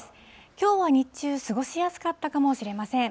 きょうは日中、過ごしやすかったかもしれません。